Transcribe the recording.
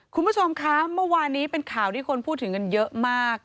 คุณผู้ชมคะเมื่อวานนี้เป็นข่าวที่คนพูดถึงกันเยอะมาก